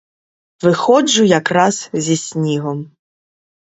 Виходжу якраз зі снігом.